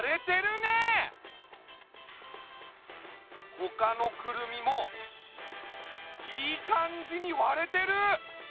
ほかのクルミもいい感じに割れてる！